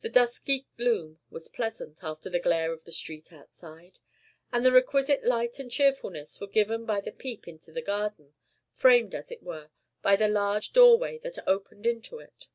The dusky gloom was pleasant, after the glare of the street outside; and the requisite light and cheerfulness were given by the peep into the garden, framed, as it were, by the large door way that opened into it.